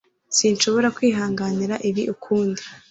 sinshobora kwihanganira ibi ukundi